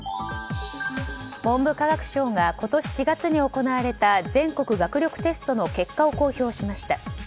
文部科学省が今年４月に行われた全国学力テストの結果を公表しました。